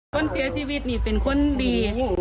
คนเสียชีวิตนี่เป็นคนดี